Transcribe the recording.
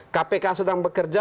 kpk sedang bekerja